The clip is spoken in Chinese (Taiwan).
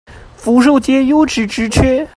福壽街優質職缺